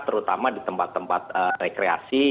terutama di tempat tempat rekreasi